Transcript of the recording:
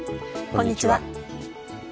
こんにちは。